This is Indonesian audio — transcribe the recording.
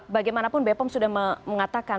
bagaimanapun bpom sudah mengatakan